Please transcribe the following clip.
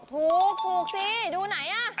ถูกสิดูไหนครับ